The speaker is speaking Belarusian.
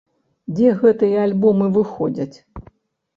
Дзе гэтыя альбомы выходзяць?